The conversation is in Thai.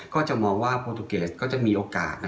ก็จะมองว่าโปรตูเกสก็จะมีโอกาส